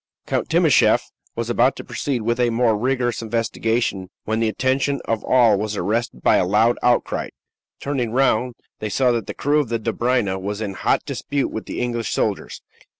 Count Timascheff was about to proceed with a more rigorous investigation, when the attention of all was arrested by a loud outcry. Turning round, they saw that the crew of the Dobryna was in hot dispute with the English soldiers.